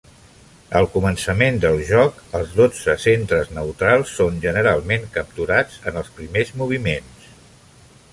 Al començament del joc, els dotze centres neutrals són generalment capturats en els primers moviments.